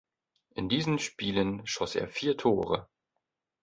In diesen Spielen schoss er vier Tore.